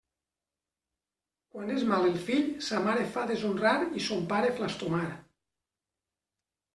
Quan és mal el fill, sa mare fa deshonrar i son pare flastomar.